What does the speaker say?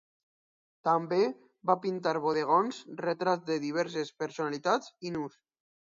També va pintar bodegons, retrats de diverses personalitats i nus.